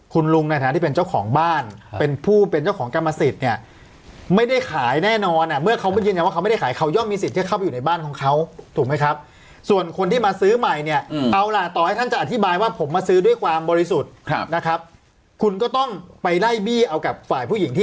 คุณลุงในฐานะที่เป็นเจ้าของบ้านเป็นผู้เป็นเจ้าของกรรมสิทธิ์เนี่ยไม่ได้ขายแน่นอนอ่ะเมื่อเขาไม่ยืนยันว่าเขาไม่ได้ขายเขาย่อมมีสิทธิ์จะเข้าไปอยู่ในบ้านของเขาถูกไหมครับส่วนคนที่มาซื้อใหม่เนี่ยเอาล่ะต่อให้ท่านจะอธิบายว่าผมมาซื้อด้วยความบริสุทธิ์ครับนะครับคุณก็ต้องไปไล่บี้เอากับฝ่ายผู้หญิงที่